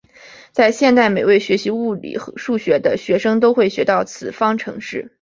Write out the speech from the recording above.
在现代每位学习数学物理的学生都会学到此方程式。